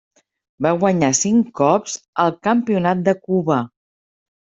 Va guanyar cinc cops el campionat de Cuba.